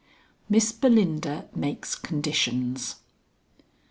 MISS BELINDA MAKES CONDITIONS.